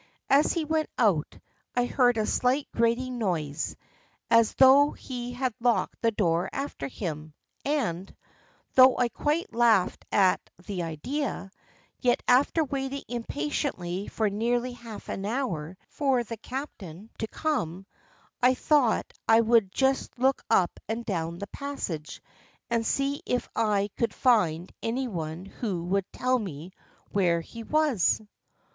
As he went out, I heard a slight grating noise, as though he had locked the door after him; and, though I quite laughed at the idea, yet after waiting impatiently for nearly half an hour for the captain to come, I thought I would just look up and down the passage and see if I could find any one who would tell me where he was.